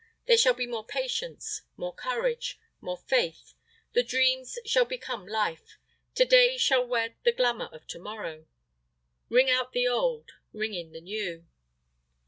There shall be more patience, more courage, more faith; the dream shall become life; to day shall wear the glamour of to morrow. Ring out the old, ring in the new!